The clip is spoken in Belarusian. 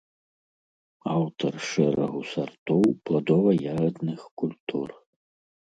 Аўтар шэрагу сартоў пладова-ягадных культур.